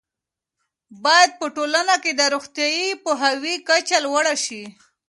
باید په ټولنه کې د روغتیايي پوهاوي کچه لوړه شي.